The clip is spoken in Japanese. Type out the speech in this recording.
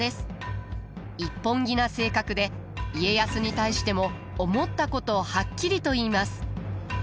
一本気な性格で家康に対しても思ったことをはっきりと言います。